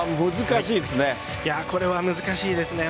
これは難しいですね。